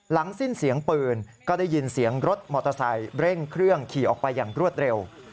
สิ้นเสียงปืนก็ได้ยินเสียงรถมอเตอร์ไซค์เร่งเครื่องขี่ออกไปอย่างรวดเร็ว